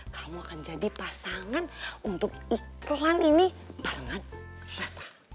kamu akan jadi pasangan untuk iklan ini barengan rasa